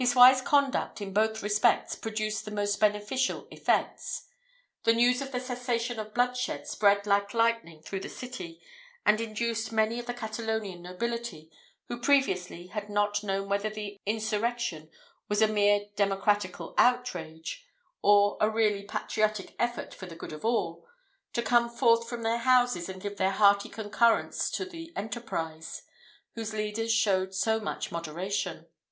His wise conduct, in both respects, produced the most beneficial effects. The news of the cessation of bloodshed spread like lightning through the city, and induced many of the Catalonian nobility, who previously had not known whether the insurrection was a mere democratical outrage, or a really patriotic effort for the good of all, to come forth from their houses and give their hearty concurrence to an enterprise, whose leaders showed so much moderation.